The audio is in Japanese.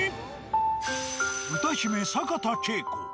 歌姫坂田佳子